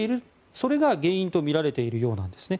それが原因とみられているようなんですね。